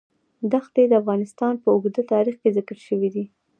دښتې د افغانستان په اوږده تاریخ کې ذکر شوی دی.